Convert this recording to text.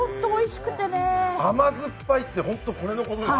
甘酸っぱいって、ホントこれのことです。